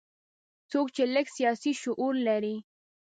څوک چې لږ سیاسي شعور لري.